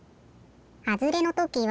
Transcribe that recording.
はずれのときは。